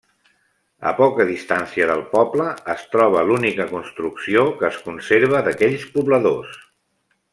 A poca distància del poble es troba l'única construcció que es conserva d'aquells pobladors.